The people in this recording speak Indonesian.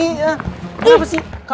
eh kamu bukan